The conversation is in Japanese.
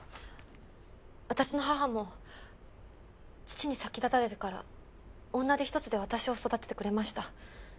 私の母も父に先立たれてから女手一つで私を育ててくれました。